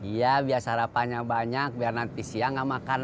iya biar sarapannya banyak biar nanti siang nggak makan